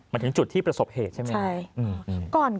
มาถึงจุดที่ประสบเหตุใช่ไหม